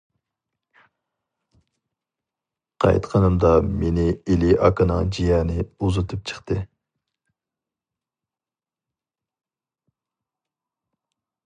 قايتقىنىمدا مېنى ئېلى ئاكىنىڭ جىيەنى ئۇزىتىپ چىقتى.